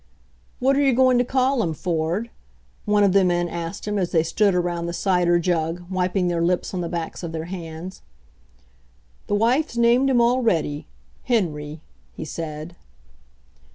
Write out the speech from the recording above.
"What're you going to call him, Ford?" one of the men asked him as they stood around the cider jug, wiping their lips on the backs of their hands. "The wife's named him already — Henry," he said.